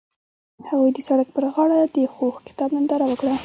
هغوی د سړک پر غاړه د خوږ کتاب ننداره وکړه.